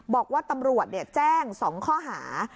บอกว่าตำรวจแจ้ง๒ข้อหา